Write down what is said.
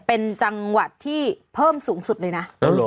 เป็นจังหวัดที่เพิ่มสูงสุดเลยนะ